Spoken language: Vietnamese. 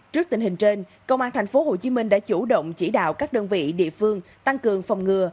trước tình hình trên công an tp hcm đã chủ động chỉ đạo các đơn vị địa phương tăng cường phòng ngừa